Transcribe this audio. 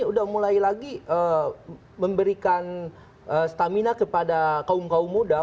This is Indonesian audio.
sudah mulai lagi memberikan stamina kepada kaum kaum muda